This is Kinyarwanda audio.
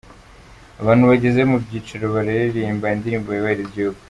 Abantu bageze mu byicaro bararirimba indirimbo yubahiriza igihugu.